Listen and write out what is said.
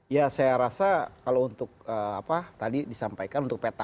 ya saya rasa kalau untuk apa tadi disampaikan untuk peta